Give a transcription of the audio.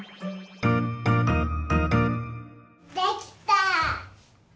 できた！